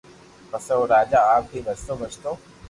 پسي او راجا آپ ھي ڀجتو ڀجتو